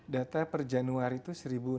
data per januari itu satu enam ratus empat puluh lima